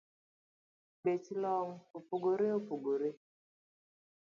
Bech long’ opogore opogore